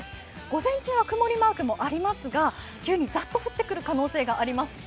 午前中は曇りマークもありますが急にざっと降ってくる可能性があります。